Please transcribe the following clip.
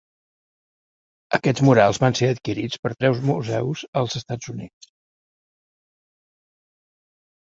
Aquests murals van ser adquirits per tres museus als Estats Units.